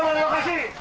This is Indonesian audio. menjauh dari lokasi